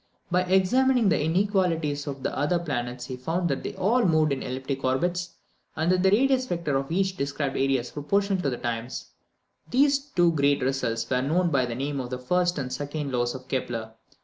By examining the inequalities of the other planets he found that they all moved in elliptic orbits, and that the radius vector of each described areas proportional to the times. These two great results are known by the name of the first and second laws of Kepler.